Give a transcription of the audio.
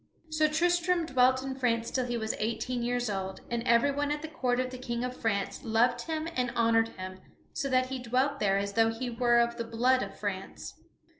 So Tristram dwelt in France till he was eighteen years old, and everyone at the court of the King of France loved him and honored him so that he dwelt there as though he were of the blood of France.